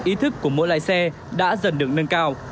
ý thức của mỗi lái xe đã dần được nâng cao